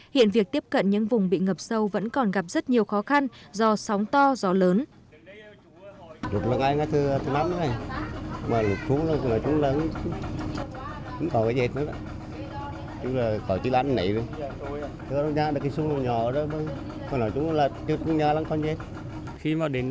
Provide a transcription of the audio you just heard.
hiện việc tiếp cận những vùng bị ngập sâu vẫn còn gặp rất nhiều khó khăn do sóng to gió lớn